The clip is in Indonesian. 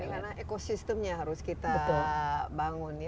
karena ekosistemnya harus kita bangun